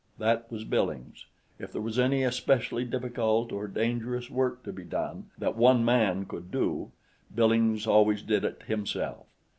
That was Billings; if there was any especially difficult or dangerous work to be done, that one man could do, Billings always did it himself.